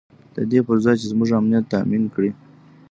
د دې پر ځای چې زموږ امنیت تامین کړي.